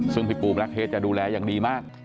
ซึ่งพี่ปูแล็ดจะดูแลอย่างดีมาก